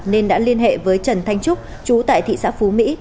nên đã liên hệ với trần thanh trúc chú tại thị xã phú mỹ